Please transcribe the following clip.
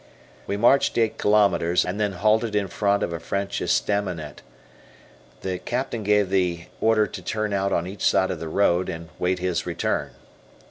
We marched eight kilos and then halted in front of a French estaminet. The Captain gave the order to turn out on each side of the road and wait his return.